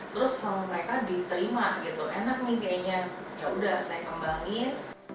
terus mereka diterima gitu enak nih kayaknya yaudah saya kembangin